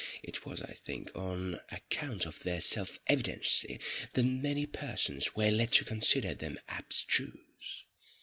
It was, I think, on account of their self evidency that many persons were led to consider them abstruse.